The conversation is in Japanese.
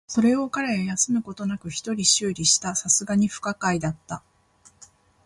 それを彼は休むことなく一人修理した。流石に不可解だった。